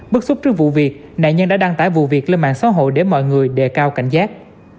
bức xúc trước vụ việc nạn nhân đã đăng tải vụ việc lên mạng xã hội để mọi người đề cao cảnh giác